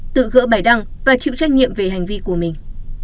tự gỡ bài đăng và chịu trách nhiệm về hành vi của mình